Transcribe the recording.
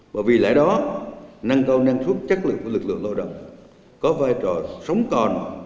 và vì lại đó nâng cao nâng suất chất lượng của lực lượng lao động có vai trò sống còn